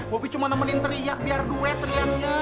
bobi cuma nemelein teriak biar duet teriaknya